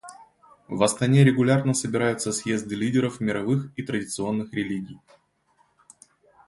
В Астане регулярно собираются съезды лидеров мировых и традиционных религий.